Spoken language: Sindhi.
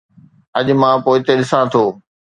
اڄ مان پوئتي ڏسان ٿو.